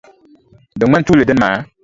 Di ŋmani tuuli dini maa?